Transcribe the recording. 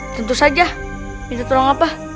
tentu saja minta tolong apa